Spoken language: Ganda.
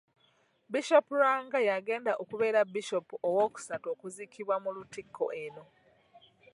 Bishop Lwanga y'agenda okubeera Bisoopu owookusatu okuziikibwa mu Lutikko eno.